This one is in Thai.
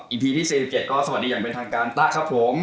พีที่๔๗ก็สวัสดีอย่างเป็นทางการตะครับผม